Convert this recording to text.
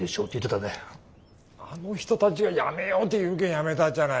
あの人たちがやめようって言うけんやめたっちゃない！